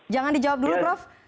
jangan dijawab dulu prof